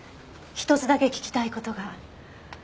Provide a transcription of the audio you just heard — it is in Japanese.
１つだけ聞きたい事が。